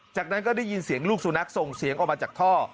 จากนั้นก็ได้ยินเสียงลูกสุนัขส่งเสียงออกมาจากท่อ